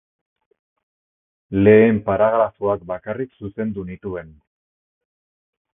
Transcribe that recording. Lehen paragrafoak bakarrik zuzendu nituen.